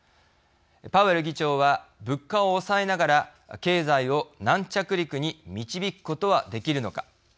パウエル議長は物価を抑えながら経済を軟着陸に導くことはできるのか。